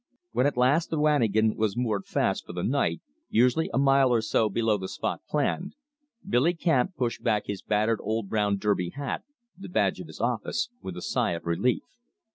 When at last the wanigan was moored fast for the night, usually a mile or so below the spot planned, Billy Camp pushed back his battered old brown derby hat, the badge of his office, with a sigh of relief.